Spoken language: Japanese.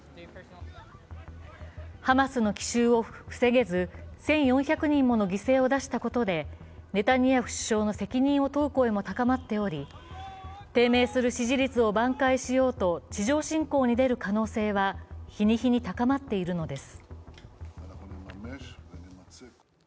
ハマスの奇襲を防げず、１４００人もの犠牲を出したことでネタニヤフ首相の責任を問う声も高まっており低迷する支持率を挽回しようと地上侵攻に出る可能性は日に日に高まっているのです。